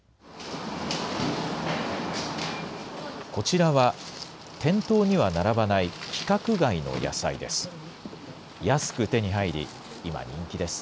こちらは店頭には並ばない規格外の野菜です。